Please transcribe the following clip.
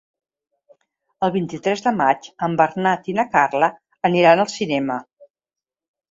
El vint-i-tres de maig en Bernat i na Carla aniran al cinema.